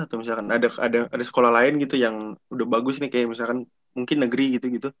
atau misalkan ada sekolah lain gitu yang udah bagus nih kayak misalkan mungkin negeri gitu gitu